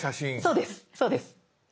そうですそうです。